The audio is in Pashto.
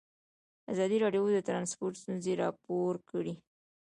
ازادي راډیو د ترانسپورټ ستونزې راپور کړي.